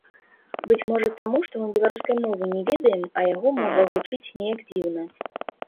Быць можа таму, што мы беларускай не ведаем, а яго мова гучыць неяк дзіўна.